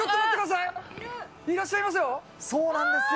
いらっしゃいますよ。